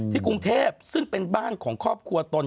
กรุงเทพซึ่งเป็นบ้านของครอบครัวตน